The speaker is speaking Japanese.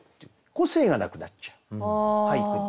個性がなくなっちゃう俳句に。